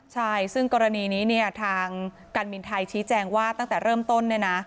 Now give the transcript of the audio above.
ใช่ซึ่งกรณีนี้ทางการบินไทยชี้แจงว่าตั้งแต่เริ่มต้น